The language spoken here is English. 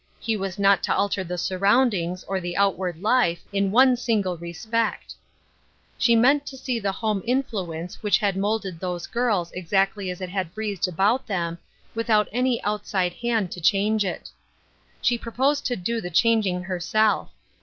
He was not to alter the surroundings or the outward life, in one single respect. She meant to see the home influence which had molded those girls exactly as it had breathed about them, without any outside hand to change it. She proposed to do the changing herself.